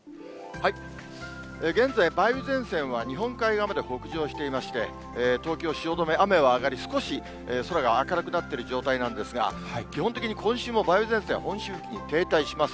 現在、梅雨前線は日本海側まで北上していまして、東京・汐留、雨は上がり、少し空が明るくなっている状態なんですが、基本的に今週も梅雨前線は本州付近に停滞します。